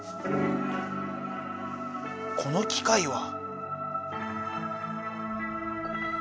この機械は。